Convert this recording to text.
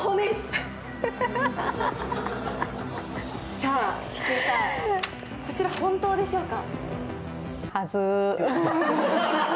さあ、岸井さん、こちら本当でしょうか？